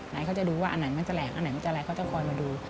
ไหนเขาจะดูว่าอันไหนมันจะแหลกอันไหนมันจะอะไรเขาต้องคอยมาดู